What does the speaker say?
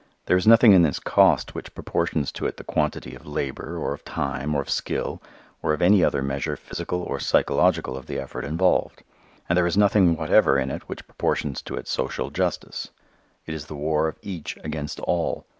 There is nothing in this "cost" which proportions to it the quantity of labor, or of time, or of skill or of any other measure physical or psychological of the effort involved. And there is nothing whatever in it which proportions to it social justice. It is the war of each against all.